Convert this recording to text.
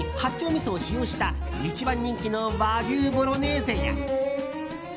みそを使用した一番人気の和牛ボロネーゼや。